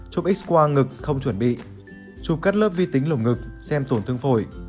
chụp x qua ngực không chuẩn bị chụp cắt lớp vi tính lồng ngực xem tổn thương phổi